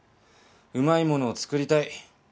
うまいものを作りたい。